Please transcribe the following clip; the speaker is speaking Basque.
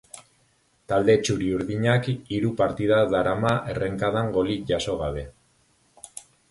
Talde txuri-urdinak hiru partida darama errenkadan golik jaso gabe.